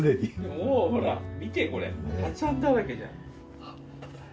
もうほら見てこれ赤ちゃんだらけじゃん。